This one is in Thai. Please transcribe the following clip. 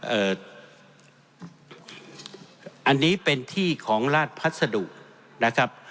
อันนี้เป็นที่ของราชพัสดุนะครับ